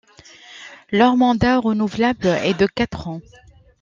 Leur mandat, renouvelable, est de quatre ans.